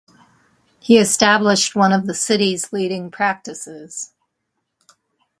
He established one of the city's leading practices.